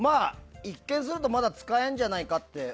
一見するとまだ使えるんじゃないかって。